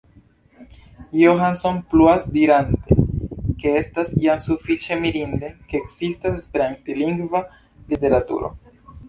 Johansson pluas dirante, ke estas jam sufiĉe mirinde, ke ekzistas esperantlingva literaturo.